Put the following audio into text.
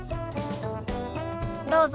どうぞ。